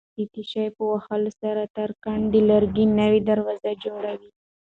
د تېشو په وهلو سره ترکاڼ د لرګي نوې دروازه جوړوي.